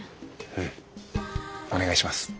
うんお願いします。